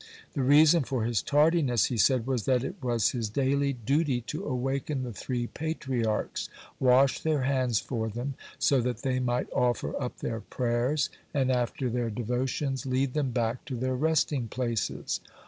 The reason for his tardiness, he said, was that it was his daily duty to awaken the three Patriarchs, (83) wash their hands for them, so that they might offer up their prayers, and after their devotions lead them back to their resting places.